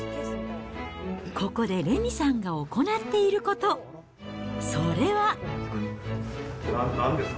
ここで玲美さんが行っていること、なんですか？